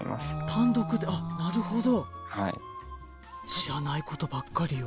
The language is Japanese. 知らないことばっかりよ。